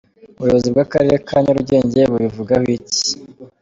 Ubuyobozi bw’Akarere ka Nyarugenge bubivugaho iki?.